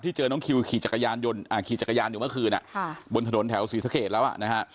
ที่เจอน้องคิวขี่จักรยานอยู่เมื่อคืนบนถนนแถวศรีสะเกตแล้วอ่ะนะฮะ